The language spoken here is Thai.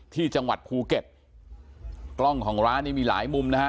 ที่จังหวัดภูเก็ตกล้องของร้านนี้มีหลายมุมนะฮะ